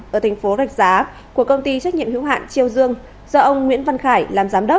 ở tp đàm giá của công ty trách nhiệm hiếu hạn triều dương do ông nguyễn văn khải làm giám đốc